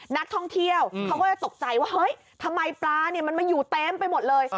นักท่องเที่ยวเขาก็จะตกใจว่าเฮ้ยทำไมปลามันมาอยู่เต็มไปหมดเลย